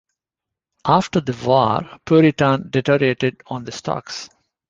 After the war, "Puritan" deteriorated on the stocks.